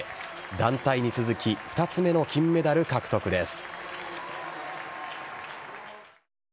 団体に続き２つ目の金メダル獲得です。